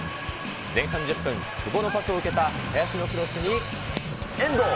前半１０分、久保のパスを受けた林のクロスに遠藤。